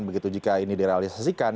begitu jika ini direalisasikan